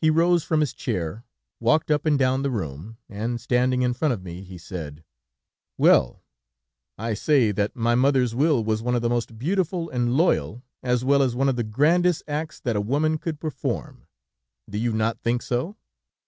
He rose from his chair, walked up and down the room, and, standing in front of me, he said: "Well, I say that my mother's will was one of the most beautiful and loyal, as well as one of the grandest acts that a woman could perform. Do you not think so?"